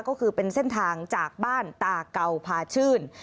ก็คือเป็นเส้นทางจากบ้านตาเก่าพาชื่น